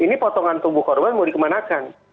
ini potongan tubuh korban mau dikemanakan